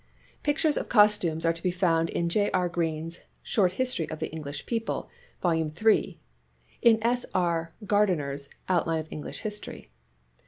Pictures of costumes are to be found in J. R. Green's " Short History of the English People," vol. iii., in S. R. Gardiner's " Outline of English History.